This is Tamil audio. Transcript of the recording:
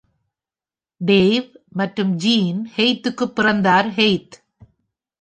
டேவ் மற்றும் ஜீன் கெய்த்துக்குப் பிறந்தார் கெய்த்.